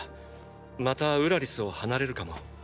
またウラリスを離れるかも。